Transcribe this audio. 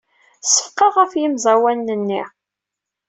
Seffqeɣ ɣef yemẓawanen-nni.